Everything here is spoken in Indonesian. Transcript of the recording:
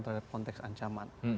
terhadap konteks ancaman